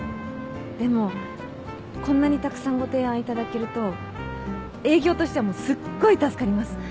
でもこんなにたくさんご提案いただけると営業としてはすっごい助かります。